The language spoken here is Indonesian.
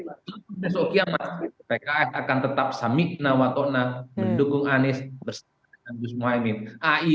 besok kiamat pks akan tetap samikna watona mendukung anies baswedan dan guru mohamad nihkandar